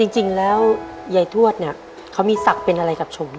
จริงแล้วยายทวดเนี่ยเขามีศักดิ์เป็นอะไรกับฉม